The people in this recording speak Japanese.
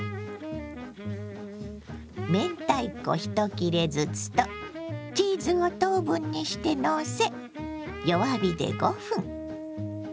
明太子１切れずつとチーズを等分にしてのせ弱火で５分。